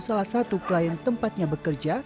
salah satu klien tempatnya bekerja